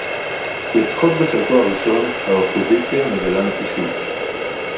לפחות בחלקו הראשון, האופוזיציה מגלה נחישות